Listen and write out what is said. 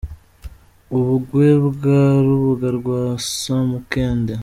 U Bungwe bwa Rubuga rwa Samukende.